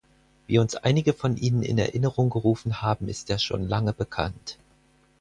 Wie uns einige von Ihnen in Erinnerung gerufen haben, ist er schon lange bekannt.